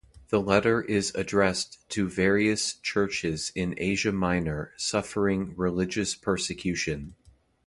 The letter is addressed to various churches in Asia Minor suffering religious persecution.